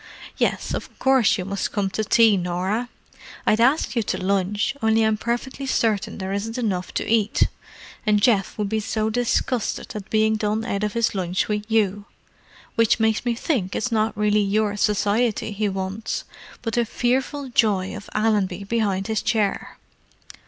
Yes, of course you must come to tea, Norah. I'd ask you to lunch, only I'm perfectly certain there isn't enough to eat! And Geoff would be so disgusted at being done out of his lunch with you, which makes me think it's not really your society he wants, but the fearful joy of Allenby behind his chair."